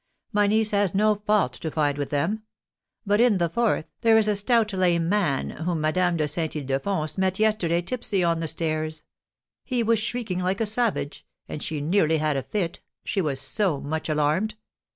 My niece has no fault to find with them; but in the fourth, there is a stout lame man, whom Madame de Saint Ildefonse met yesterday tipsy on the stairs; he was shrieking like a savage, and she nearly had a fit, she was so much alarmed.